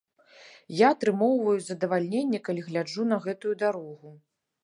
Я атрымоўваю задавальненне, калі гляджу на гэтую дарогу!